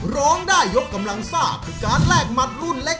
ร้องได้ยกกำลังซ่าคือการแลกหมัดรุ่นเล็ก